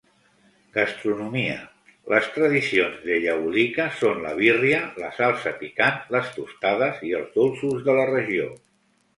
Gastronomia: les tradicions de Yahualica són la "birria", la salsa picant, les "tostadas" i els dolços de la regió.